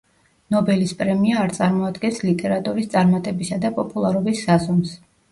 ნობელის პრემია არ წარმოადგენს ლიტერატორის წარმატებისა და პოპულარობის საზომს.